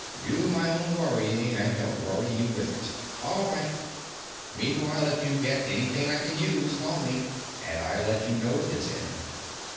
"Do my own worrying, and don't worry you with it. All right. Meanwhile, if you get anything I can use, call me. And I'll let you know at this end."